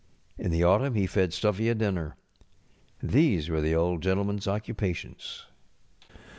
In the autumn he fed Stuffy a dinner. These were the Old GentlemanŌĆÖs occupations.